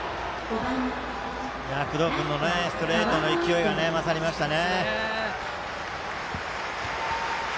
工藤君のストレートの勢いが勝りましたね。